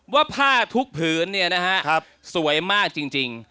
ว่าผ้าทุกผืนเนี่ยนะฮะสวยมากจริง